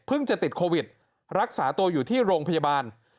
จะติดโควิดรักษาตัวอยู่ที่โรงพยาบาล